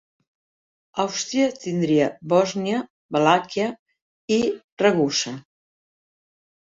Àustria tindria Bòsnia, Valàquia i Ragusa.